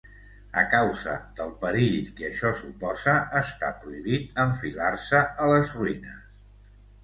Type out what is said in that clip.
A causa del perill que això suposa, està prohibit enfilar-se a les ruïnes.